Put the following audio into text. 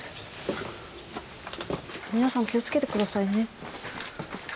皆さん気を付けてくださいね。